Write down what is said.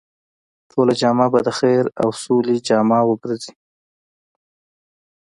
ټوله جامعه به د خير او سولې جامعه وګرځي.